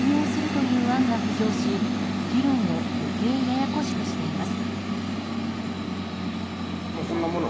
更には復興税を転用するという案が浮上し議論を余計ややこしくしています。